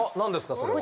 それは。